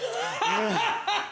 ハハハ。